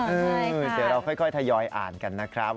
อ่าใช่ค่ะเดี๋ยวเราค่อยทยอยอ่านกันนะครับ